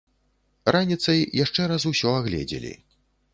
Раніцай яшчэ раз усё агледзелі.